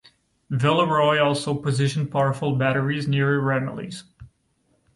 Villeroi also positioned powerful batteries near Ramillies.